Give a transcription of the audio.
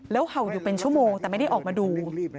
เห่าอยู่เป็นชั่วโมงแต่ไม่ได้ออกมาดู